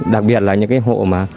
đặc biệt là những hộ